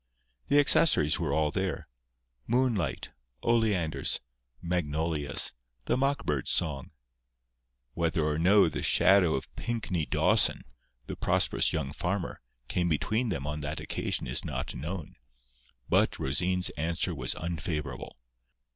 The accessories were all there—moonlight, oleanders, magnolias, the mock bird's song. Whether or no the shadow of Pinkney Dawson, the prosperous young farmer, came between them on that occasion is not known; but Rosine's answer was unfavourable.